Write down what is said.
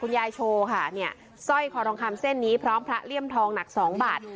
ยายโชว์ค่ะเนี่ยสร้อยคอทองคำเส้นนี้พร้อมพระเลี่ยมทองหนัก๒บาท